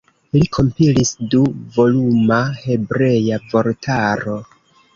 Li kompilis du-voluma hebrea vortaro.